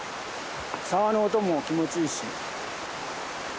沢の音も気持ちいいし。